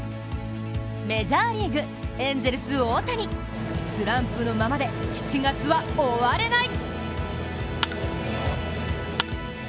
メジャーリーグ、エンゼルス大谷スランプのままで７月は終われない。